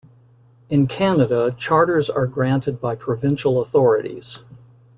In Canada charters are granted by provincial authorities.